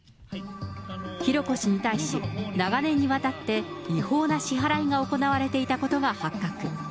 浩子氏に対し、長年にわたって、違法な支払いが行われていたことが発覚。